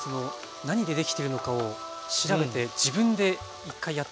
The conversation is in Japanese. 何でできているのかを調べて自分で一回やってみるっていう。